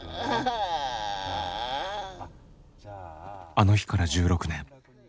あの日から１６年。